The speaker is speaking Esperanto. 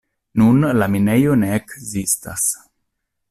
Nun la minejo ne ekzistas.